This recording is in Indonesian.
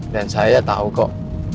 dan saya tau kok